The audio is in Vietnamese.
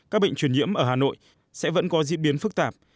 các bệnh truyền nhiễm ở hà nội sẽ vẫn có diễn biến phức tạp